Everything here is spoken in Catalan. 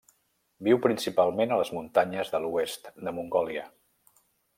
Viu principalment a les muntanyes de l'oest de Mongòlia.